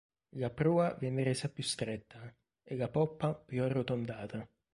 La prua venne resa più stretta e la poppa più arrotondata.